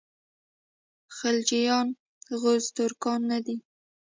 خلجیان غوز ترکان نه دي.